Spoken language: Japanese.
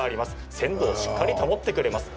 鮮度をしっかり保ってくれます。